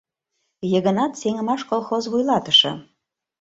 Йыгынат, «Сеҥымаш» колхоз вуйлатыше.